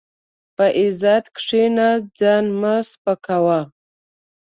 په عزت کښېنه، ځان مه سپکاوه.